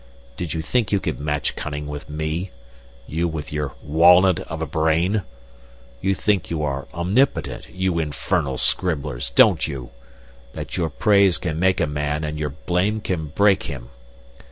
Did you think you could match cunning with me you with your walnut of a brain? You think you are omnipotent, you infernal scribblers, don't you? That your praise can make a man and your blame can break him?